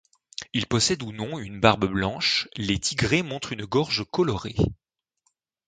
Il possède ou non une barbe blanche, les tigrés montrent une gorge colorée.